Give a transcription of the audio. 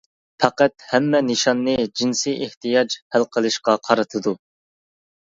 پەقەت ھەممە نىشاننى جىنسىي ئېھتىياج ھەل قىلىشقا قارىتىدۇ.